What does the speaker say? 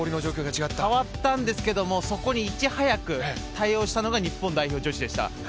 変わったんですけどもそこにいち早く対応したのが日本代表女子でした。